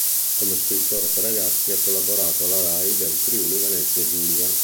Come scrittore per ragazzi ha collaborato alla Rai del Friuli-Venezia Giulia.